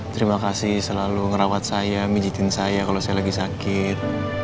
terima kasih selalu ngerawat saya mijitin saya kalau saya lagi sakit